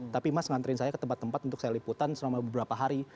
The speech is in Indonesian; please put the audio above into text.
tapi mas nganterin saya ke tempat tempat untuk saya liputan selama beberapa hari